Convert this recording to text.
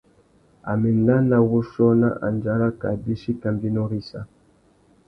A mà enda nà wuchiô nà andjara kā bîchi kambiénô râ issa.